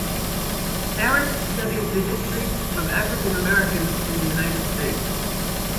Harris studies the history of African Americans in the United States.